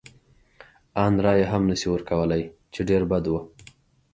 ان رایه هم نه شي ورکولای، چې ډېر بد و.